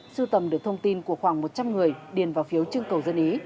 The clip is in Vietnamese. sưu tầm được thông tin của khoảng một trăm linh người điền vào phiếu trưng cầu dân ý